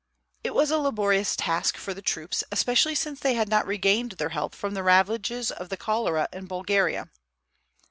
It was a laborious task for the troops, especially since they had not regained their health from the ravages of the cholera in Bulgaria.